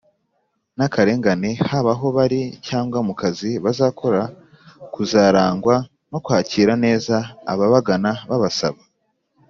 n akarengane haba aho bari cyangwa mu kazi bazakora kuzarangwa no kwakira neza ababagana babasaba